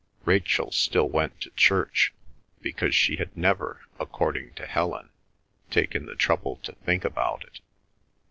Rachel still went to church, because she had never, according to Helen, taken the trouble to think about it.